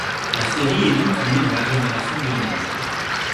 La série est donc tournée dans l'agglomération lyonnaise.